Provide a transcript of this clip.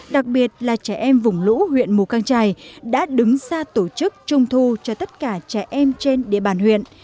đặc biệt là trẻ em vùng lũ huyện mù căng trải đã đứng ra tổ chức trung thu cho tất cả trẻ em trên địa bàn huyện